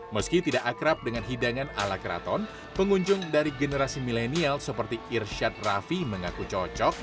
meski tidak akrab dengan hidangan ala keraton pengunjung dari generasi milenial seperti irsyad rafi mengaku cocok